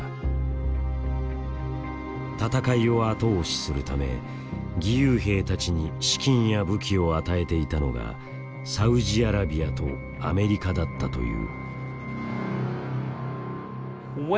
戦いを後押しするため義勇兵たちに資金や武器を与えていたのがサウジアラビアとアメリカだったという。